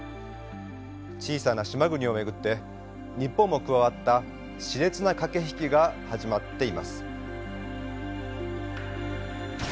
小さな島国を巡って日本も加わったしれつな駆け引きが始まっています。